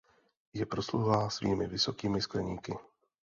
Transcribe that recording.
Je proslulá svými vysokými Skleníky.